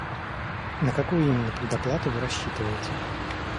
На какую именно предоплату вы рассчитываете?